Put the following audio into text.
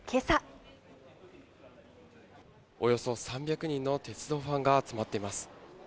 およそ３００人の鉄道ファンが集まっています。